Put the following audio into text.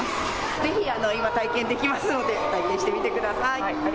ぜひ今、体験できますので体験してみてください。